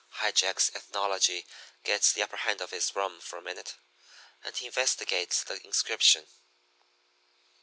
"High Jack's ethnology gets the upper hand of his rum for a minute, and he investigates the inscription.